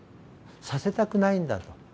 させたくないんだと。